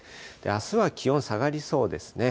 あすは気温下がりそうですね。